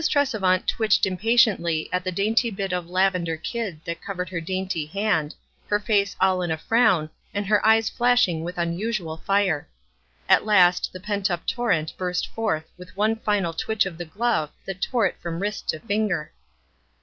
Tresevant twitched impatiently at the dainty bit of lavender kid that covered her dainty hand, her face all in a frown, and her eyes flash ing with unusual fire. At last the pent up tor rent burst forth with one final twitch of the glove that tore it from wrist to finger.